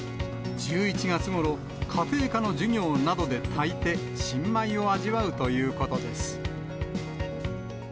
１１月ごろ、家庭科の授業などで炊いて、新米を味わうということです。